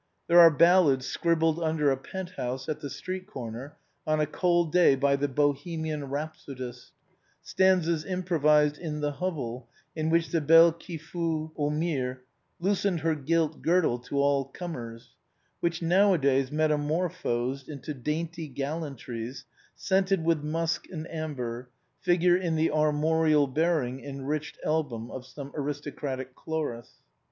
There are ballads scribbled under a pent house at the street corner on a cold day by the Bohemian rhapsodist, stanzas improvised in the hovel in which the " belle qui fut haultmire " loosened her girdle to all comers, which nowadays metamorphosed into dainty gallantries scented with musk and amber, figure in the armorial bear ing enriched album of some aristocratic Chloris.